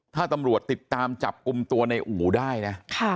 ถ้าตำรวจติดตามจับกลุ่มตัวในอู๋ได้นะ